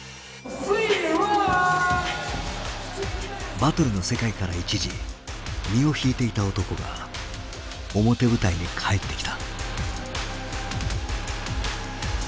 バトルの世界から一時身を引いていた男が表舞台に帰ってきた。